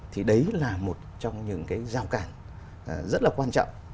thì đấy là một trong những cái giao cản rất là quan trọng